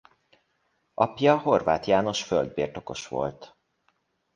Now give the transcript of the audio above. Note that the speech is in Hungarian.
Apja Horváth János földbirtokos volt.